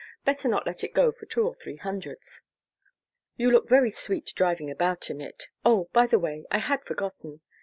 Better not let it go for two or three hundreds; you look very sweet driving about in it.... Oh, by the way I had forgotten."